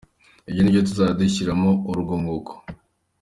Ibyo ni byo tuzajya dushyiramo urwunguko.